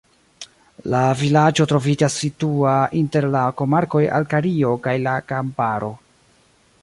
La vilaĝo troviĝas situa inter la komarkoj Alkario kaj la Kamparo.